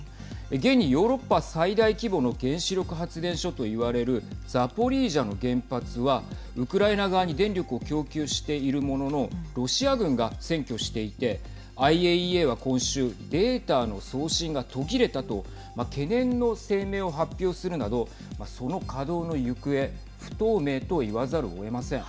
現にヨーロッパ最大規模の原子力発電所といわれるザポリージャの原発はウクライナ側に電力を供給しているもののロシア軍が占拠していてＩＡＥＡは、今週データの送信が途切れたと懸念の声明を発表するなどその稼働の行方不透明といわざるをえません。